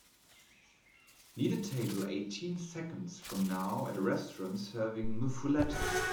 need a table eighteen seconds from now at a restaurant serving muffuletta